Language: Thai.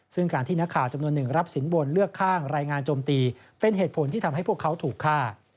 ซึ่งการที่นักข่าวจำนวนหนึ่งรับสินบนเลือกข้างรายงานโจมตีเป็นเหตุผลที่ทำให้พวกเขาถูกฆ่า